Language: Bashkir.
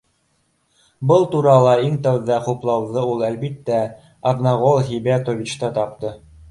Был турала иң тәүҙә хуплауҙы ул, әлбиттә, Аҙнағол һибәтовичта тапты